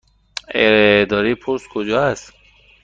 اداره پست کجا است؟